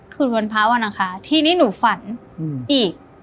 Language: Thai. คืนวันพระวันอังคารที่นี่หนูฝันอีก